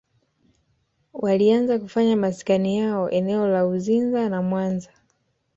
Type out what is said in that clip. Walianza kufanya maskani yao eneo la Uzinza na Mwanza